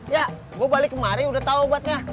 ya gue balik kemari udah tau obatnya